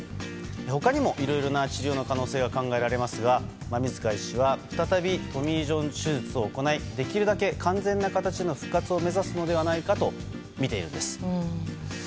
他にもいろいろな治療の可能性が考えられますが馬見塚医師は再びトミー・ジョン手術を行いできるだけ完全な形での復活を目指すのではないかとみています。